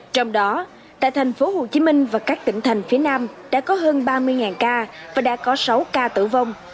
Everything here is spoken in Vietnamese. trong đó tại thành phố hồ chí minh và các tỉnh thành phía nam đã có hơn ba mươi ca và đã có sáu ca tử vong